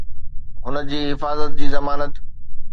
هن جي حفاظت جي ضمانت